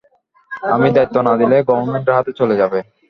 আমি দায়িত্ব না নিলে গভর্নমেন্টের হাতে চলে যাবে।